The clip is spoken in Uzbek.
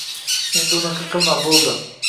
Endi unaqa qilma” boʻldi